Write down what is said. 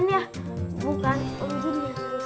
om jin yang ngerusakin